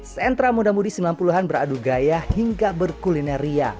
sentra muda mudi sembilan puluh an beradu gaya hingga berkuline ria